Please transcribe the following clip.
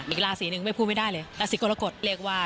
ไม่พูดไม่ได้เลยราศิกรกฎเรียกว่า